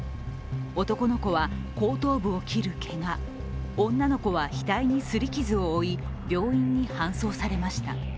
男の子は後頭部を切るけが、女の子は額に擦り傷を負い、病院に搬送されました。